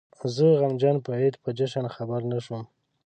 زه غمجن په عيد په جشن خبر نه شوم